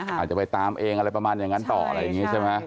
อาจจะไปตามเองอะไรประมาณอย่างนั้นต่ออะไรอย่างนี้ใช่ไหม